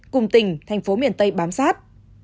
cùng tỉnh tp hcm bám sát